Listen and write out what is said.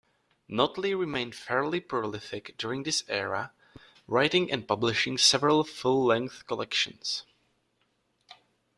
Notley remained fairly prolific during this era, writing and publishing several full-length collections.